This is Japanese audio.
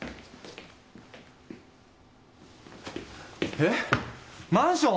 えっマンション！？